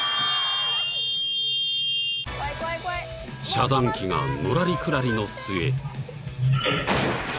［遮断機がのらりくらりの末］